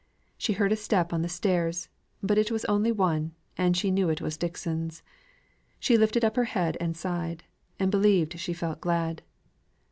She heard a step on the stairs, but it was only one, and she knew it was Dixon's. She lifted up her head and sighed, and believed she felt glad.